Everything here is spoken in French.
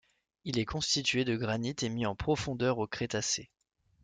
Il est constitué de granite émis en profondeur au Crétacé.